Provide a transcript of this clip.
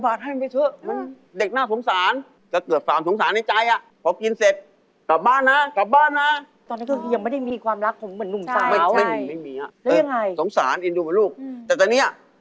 บอกเฮ้ยโหยเผลอมันไม่รู้เรื่องเลย